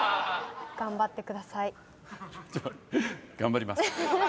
頑張ります。